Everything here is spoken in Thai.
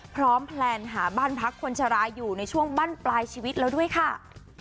แพลนหาบ้านพักคนชะลาอยู่ในช่วงบั้นปลายชีวิตแล้วด้วยค่ะ